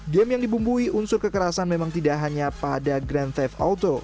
game yang dibumbui unsur kekerasan memang tidak hanya pada grand tech auto